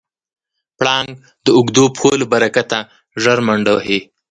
پړانګ د اوږدو پښو له برکته ژر منډه وهي.